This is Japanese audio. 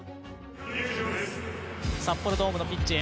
札幌ドームのピッチへ